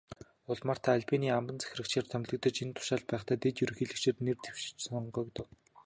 Улмаар та Албанийн амбан захирагчаар томилогдож, энэ тушаалд байхдаа дэд ерөнхийлөгчид нэр дэвшиж, сонгогдов.